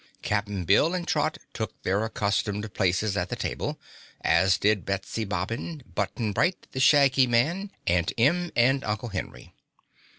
Cap'n Bill and Trot took their accustomed places at the table, as did Betsy Bobbin, Button Bright, the Shaggy Man, Aunt Em and Uncle Henry.